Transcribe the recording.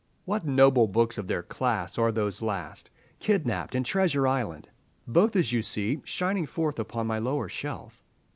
What noble books of their class are those last, "Kidnapped" and "Treasure Island"! both, as you see, shining forth upon my lower shelf.